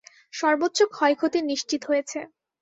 সর্বোচ্চ ক্ষয়ক্ষতি নিশ্চিত হয়েছে।